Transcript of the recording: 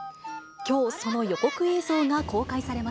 きょう、その予告映像が公開され